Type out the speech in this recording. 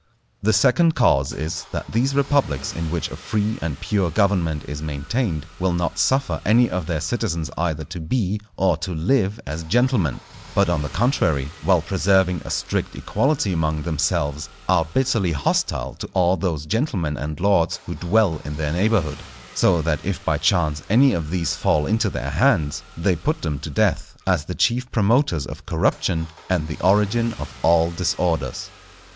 The second cause is, that these republics in which a free and pure government is maintained will not suffer any of their citizens either to be, or to live as gentlemen; but on the contrary, while preserving a strict equality among themselves, are bitterly hostile to all those gentlemen and lords who dwell in their neighbourhood; so that if by chance any of these fall into their hands, they put them to death, as the chief promoters of corruption and the origin of all disorders.